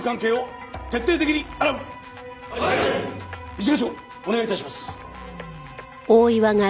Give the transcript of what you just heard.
一課長お願い致します。